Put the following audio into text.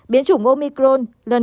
biến chủng omicron